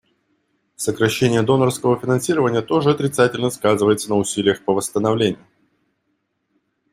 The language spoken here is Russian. Сокращение донорского финансирования тоже отрицательно сказывается на усилиях по восстановлению.